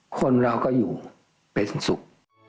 คนเราก็อยู่ไปสุข